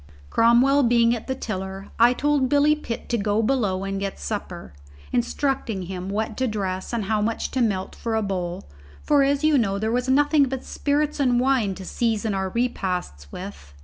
Cromwell being at the tiller, I told Billy Pitt to go below and get supper, instructing him what to dress and how much to melt for a bowl, for as you know there was nothing but spirits and wine to season our repasts with.